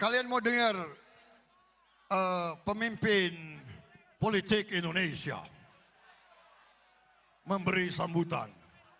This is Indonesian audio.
kalian mau dengar pemimpin politik indonesia memberi sambutan